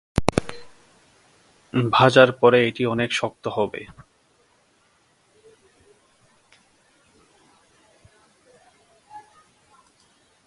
ভাঁজার পরে এটি অনেক শক্ত হবে।